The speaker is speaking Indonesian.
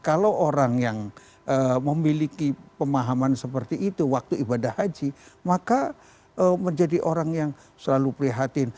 kalau orang yang memiliki pemahaman seperti itu waktu ibadah haji maka menjadi orang yang selalu prihatin